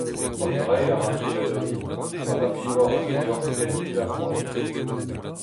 An dra-se a ra plijadur din ha va femoc’h a zo deoc’h penn-kil-ha troad.